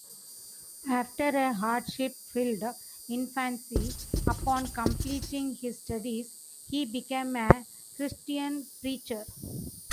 After a hardship-filled infancy, upon completing his studies, he became a Christian preacher.